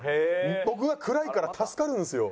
僕が暗いから助かるんですよ。